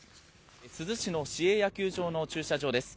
珠洲市の市営野球場の駐車場です。